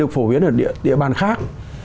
phổ biến ở địa bàn khác